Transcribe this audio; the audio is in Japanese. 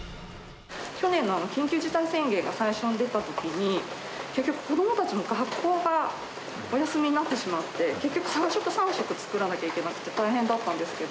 去年の緊急事態宣言が最初に出たときに、結局、子どもたちの学校がお休みになってしまって、結局、３食、３食作らないといけなくて、大変だったんですけど。